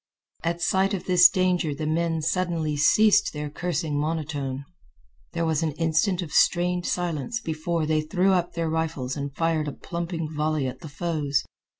At sight of this danger the men suddenly ceased their cursing monotone. There was an instant of strained silence before they threw up their rifles and fired a plumping volley at the foes.